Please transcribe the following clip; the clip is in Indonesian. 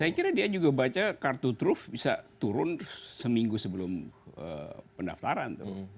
saya kira dia juga baca kartu truf bisa turun seminggu sebelum pendaftaran tuh